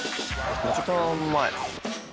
５時間前。